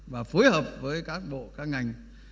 và phối hợp với các bộ các ngành